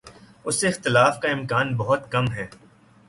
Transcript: اس سے اختلاف کا امکان بہت کم ہے۔